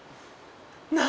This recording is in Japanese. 何？